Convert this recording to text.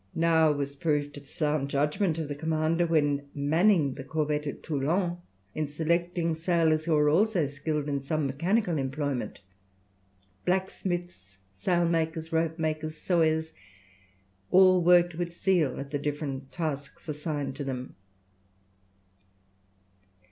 Now was proved the sound judgment of the commander when manning the corvette at Toulon, in selecting sailors who were also skilled in some mechanical employment. Blacksmiths, sail makers, rope makers, sawyers, all worked with zeal at the different tasks assigned to them.